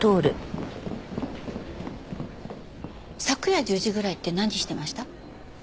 昨夜１０時ぐらいって何してました？